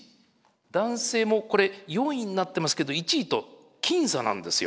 男性もこれ４位になってますけど１位と僅差なんですよ。